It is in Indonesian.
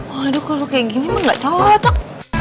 aduh kalo kayak gini mah gak cocok